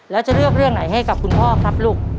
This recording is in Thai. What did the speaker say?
แล้วจะเลือกเรื่องไหนให้กับคุณพ่อครับลูก